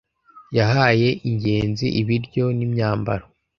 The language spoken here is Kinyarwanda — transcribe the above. Yahaye ingenzi ibiryo n'imyambaro.